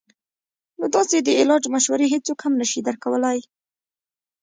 نو داسې د علاج مشورې هيڅوک هم نشي درکولے -